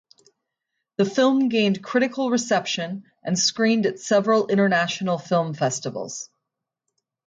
The film gained critical reception and screened at several international film festivals.